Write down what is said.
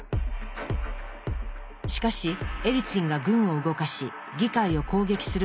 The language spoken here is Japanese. しかしエリツィンが軍を動かし議会を攻撃すると議会側はあえなく降伏。